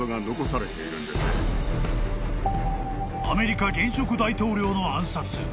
［アメリカ現職大統領の暗殺］